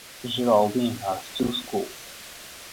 Geraldine has two schools.